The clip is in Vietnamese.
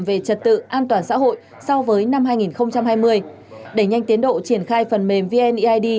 về trật tự an toàn xã hội so với năm hai nghìn hai mươi đẩy nhanh tiến độ triển khai phần mềm vneid